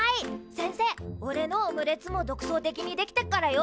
先生おれのオムレツも独創的にできてっからよ。